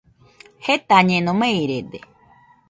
Jetañeno, meirede.